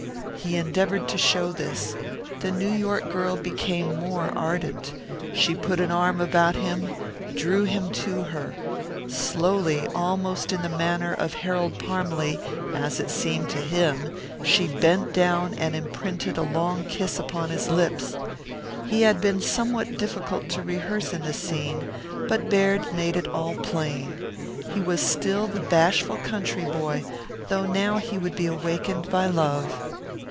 He endeavoured to show this. The New York girl became more ardent. She put an arm about him, drew him to her. Slowly, almost in the manner of Harold Parmalee, as it seemed to him, she bent down and imprinted a long kiss upon his lips. He had been somewhat difficult to rehearse in this scene, but Baird made it all plain. He was still the bashful country boy, though now he would be awakened by love.